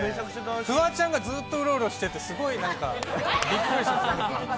フワちゃんが、ずっとウロウロしてて、すごいなんかびっくりしました。